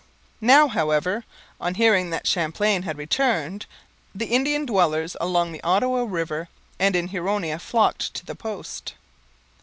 Now, however, on hearing that Champlain had returned, the Indian dwellers along the Ottawa river and in Huronia flocked to the post.